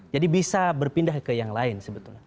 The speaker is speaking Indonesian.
jadi bisa berpindah ke yang lain sebetulnya